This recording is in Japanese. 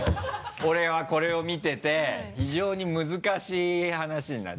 俺はこれを見てて異様に難しい話になって。